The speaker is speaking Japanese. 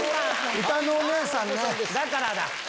だからだ。